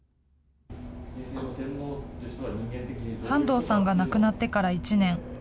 半藤さんが亡くなってから１年。